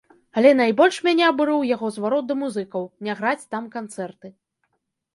Але найбольш мяне абурыў яго зварот да музыкаў, не граць там канцэрты.